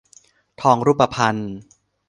ทองรูปพรรณ